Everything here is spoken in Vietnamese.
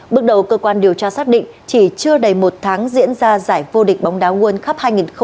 bước đầu cơ quan điều tra xác định chỉ chưa đầy một tháng diễn ra giải vô địch bóng đá nguồn khắp hai nghìn hai mươi hai